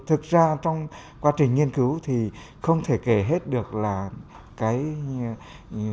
thực ra trong quá trình nghiên cứu thì không thể kể hết được là cái số lượng nó là bao nhiêu